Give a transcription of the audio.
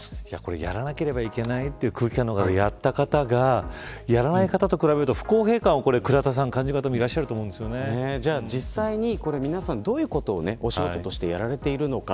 やらなければいけない空気感の中でやった方がやらない方と比べると不公平感を感じる方もいらっしゃると実際に皆さんはどういうことを仕事としてやられているのか。